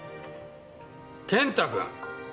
健太君。